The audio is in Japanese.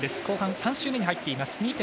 後半、３周目に入っています。